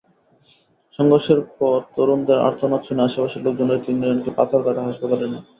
সংঘর্ষের পর তরুণদের আর্তনাদ শুনে আশপাশের লোকজন ওই তিনজনকে পাথরঘাটা হাসপাতালে নেয়।